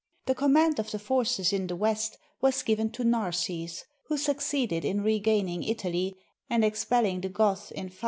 The command of the forces in the West was given to Narses, who succeeded in regaining Italy and expelling the Goths in 553.